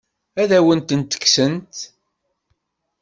Ad awen-tent-kksent?